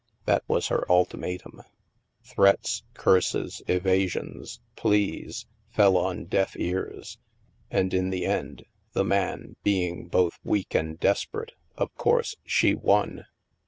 That was her ultimatum. Threats, curses, eva sions, pleas, fell on deaf ears. And in the end, the man being both weak and desperate, of course she won.